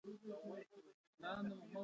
بزګر د ژوند موسسه چلوونکی دی